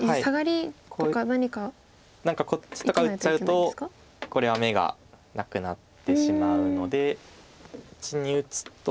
何かこっちとか打っちゃうとこれは眼がなくなってしまうのでこっちに打つと。